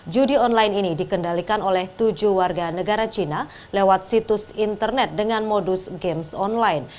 judi online ini dikendalikan oleh tujuh warga negara cina lewat situs internet dengan modus games online